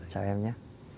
chào em nhé